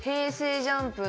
ＪＵＭＰ！